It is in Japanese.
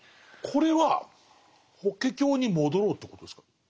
これは「法華経」に戻ろうっていうことですか？